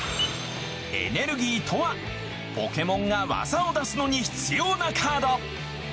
エネルギーとはポケモンがワザを出すのに必要なカード。